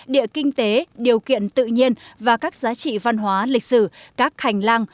địa kinh tế điều kiện tự nhiên và các giá trị văn hóa lịch sử các hành lang